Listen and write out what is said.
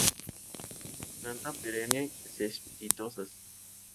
Planta perenne cespitosas.